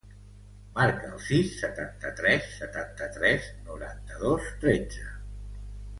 Marca el sis, setanta-tres, setanta-tres, noranta-dos, tretze.